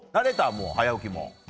もう早起きも。